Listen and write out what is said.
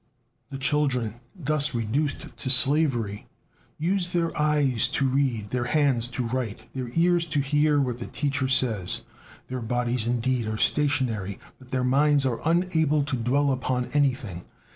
The children thus reduced to slavery use their eyes to read, their hands to write, their ears to hear what the teacher says. Their bodies, indeed, are stationary; but their minds are unable to dwell upon anything.